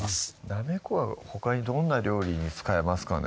なめこはほかにどんな料理に使えますかね？